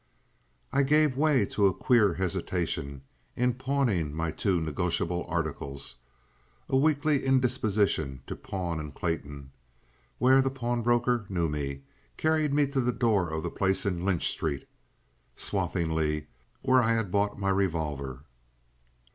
I gave way to queer hesitations in pawning my two negotiable articles. A weakly indisposition to pawn in Clayton, where the pawnbroker knew me, carried me to the door of the place in Lynch Street, Swathinglea, where I had bought my revolver.